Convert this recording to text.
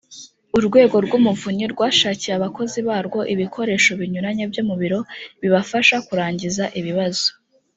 urwego rw’umuvunyi rwashakiye abakozi barwo ibikoresho binyuranye byo mu biro bibafasha kurangiza ibibazo